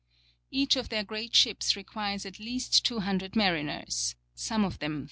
^ Each of their great ships requires at least 200 mariners [some of them 300].